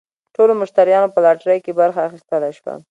ټولو مشتریانو په لاټرۍ کې برخه اخیستلی شوه.